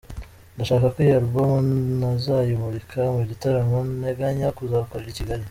Ndashaka ko iyi album nazayimurika mu gitaramo nteganya kuzakorera i Kigali.